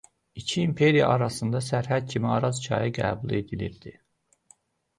İki imperiya arasında sərhəd kimi Araz çayı qəbul edilirdi.